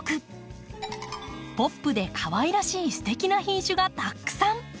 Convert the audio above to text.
ポップでかわいらしいすてきな品種がたくさん！